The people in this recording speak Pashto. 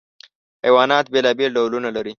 حیوانات بېلابېل ډولونه لري.